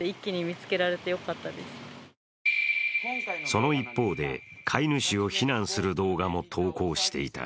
その一方で、飼い主を非難する動画も投稿していた。